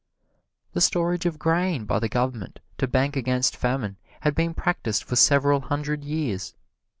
The storage of grain by the government to bank against famine had been practised for several hundred years.